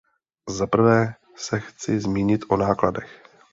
Za prvé se chci zmínit o nákladech.